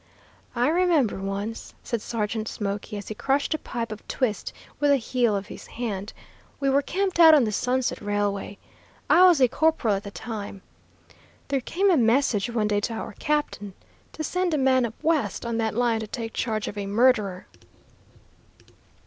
"I remember once," said Sergeant Smoky, as he crushed a pipe of twist with the heel of his hand, "we were camped out on the 'Sunset' railway. I was a corporal at the time. There came a message one day to our captain, to send a man up West on that line to take charge of a murderer.